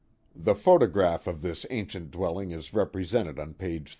The photograph of this ancient dwelling is repre sented on page 379.